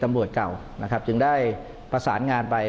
แต่เจ้าตัวก็ไม่ได้รับในส่วนนั้นหรอกนะครับ